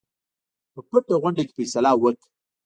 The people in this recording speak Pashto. په پټه غونډه کې فیصله وکړه.